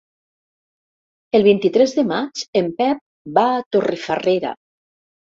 El vint-i-tres de maig en Pep va a Torrefarrera.